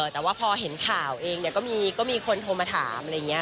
แต่ว่าพอเห็นข่าวเองก็มีคนโทรมาถามอะไรอย่างนี้